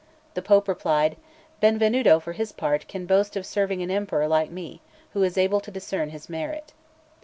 The Pope replied: "Benvenuto, for his part, can boast of serving an emperor like me, who is able to discern his merit."